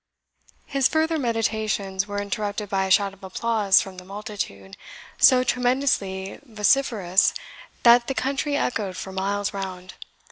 His further meditations were interrupted by a shout of applause from the multitude, so tremendously vociferous that the country echoed for miles round.